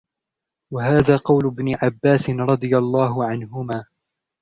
وَهَذَا قَوْلُ ابْنِ عَبَّاسٍ رَضِيَ اللَّهُ عَنْهُمَا